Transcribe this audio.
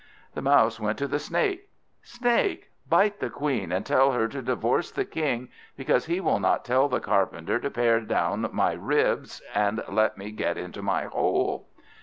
The Mouse went to the Snake. "Snake, bite the Queen, and tell her to divorce the King, because he will not tell the Carpenter to pare my ribs down and let me get into my hole."